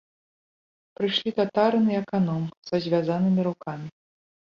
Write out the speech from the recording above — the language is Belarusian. Прыйшлі татарын і аканом са звязанымі рукамі.